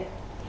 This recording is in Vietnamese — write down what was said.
các lực lượng